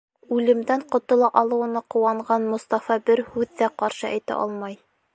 Үлемдән ҡотола алыуына ҡыуанған Мостафа бер һүҙ ҙә ҡаршы әйтә алмай.